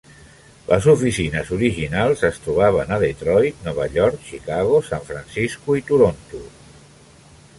Les oficines originals es trobaven a Detroit, Nova York, Chicago, San Francisco i Toronto.